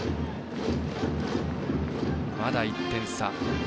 まだ１点差。